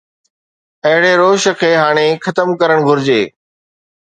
اهڙي روش کي هاڻي ختم ڪرڻ گهرجي.